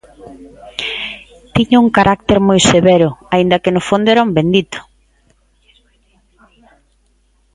Tiña un carácter moi severo, aínda que no fondo era un bendito.